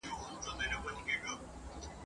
داسي څه مه وايه، چي ستا دښمن ئې د حجت لپاره وکاروي.